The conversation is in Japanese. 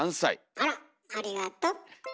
あら！ありがと。